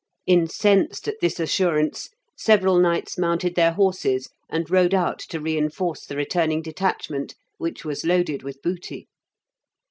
Incensed at this assurance, several knights mounted their horses and rode out to reinforce the returning detachment, which was loaded with booty.